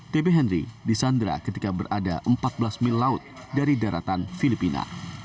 tb henry disandra ketika berada empat belas mil laut dari daratan filipina